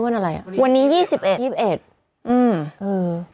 วันนี้สูตร๒๑เว่น